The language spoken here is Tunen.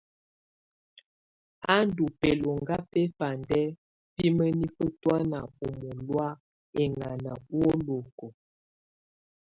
Á ndù bɛloŋga bɛfandɛ bi mǝnifǝ tɔ̀ána ù mɔ̀lɔ̀á ɛŋana ùwolokuǝ.